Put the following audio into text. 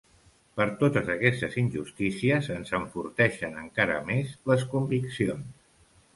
Però totes aquestes injustícies ens enforteixen encara més les conviccions.